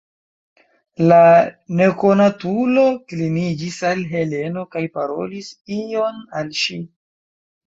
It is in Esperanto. La nekonatulo kliniĝis al Heleno kaj parolis ion al ŝi.